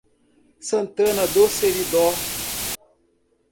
Santana do Seridó